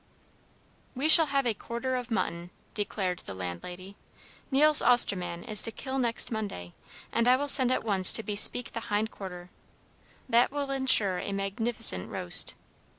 "We shall have a quarter of mutton," declared the landlady. "Neils Austerman is to kill next Monday, and I will send at once to bespeak the hind quarter. That will insure a magnificent roast.